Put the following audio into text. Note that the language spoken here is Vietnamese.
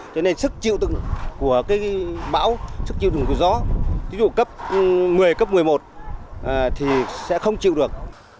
cho nên sức chịu tự của bão sức chịu tự của gió tí dụ cấp một mươi cấp một mươi một thì sẽ không chịu được